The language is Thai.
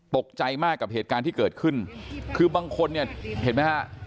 ตกใจมากกับเหตุการณ์ที่เกิดขึ้นคือบางคนเนี่ยเห็นไหมฮะ